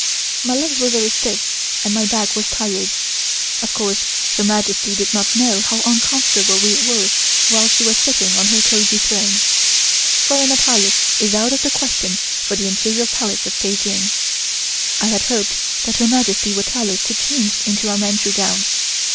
My legs were very stiff and my back was tired. Of course Her Majesty did not know how uncomfortable we were while she was sitting on her cozy throne. Foreign attire is out of the question for the Imperial Palace of Peking. I had hoped that Her Majesty would tell us to change into our Manchu gowns.